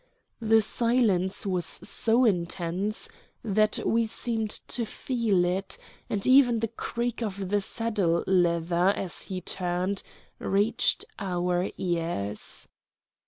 The silence was so intense that we seemed to feel it, and even the creak of the saddle leather, as he turned, reached our ears.